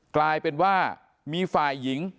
กลายเป็นว่ามีฝ่ายหญิง